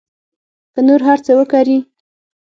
که نور هر څه وکري.